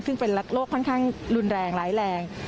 ซึ่งเป็นโรคค่อนข้างรุนแรงร้ายแรง